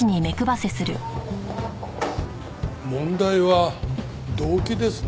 問題は動機ですね。